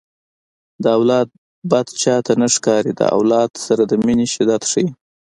د اولاد بد چاته نه ښکاري د اولاد سره د مینې شدت ښيي